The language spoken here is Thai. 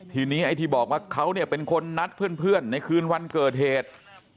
ทีนี้ไอ้ที่บอกว่าเขาเนี่ยเป็นคนนัดเพื่อนในคืนวันเกิดเหตุ